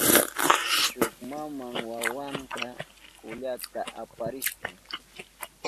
Shuk maman wawanta kallata aparishka.